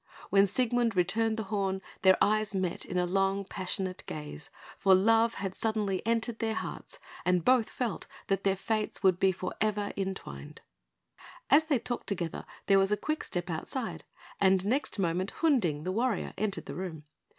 When Siegmund returned the horn, their eyes met in a long, passionate gaze; for love had suddenly entered their hearts, and both felt that their fates would be for ever intertwined. As they talked together there was a quick step outside, and next moment Hunding, the warrior, entered the room.